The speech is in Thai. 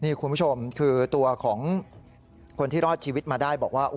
นี่คุณผู้ชมคือตัวของคนที่รอดชีวิตมาได้บอกว่า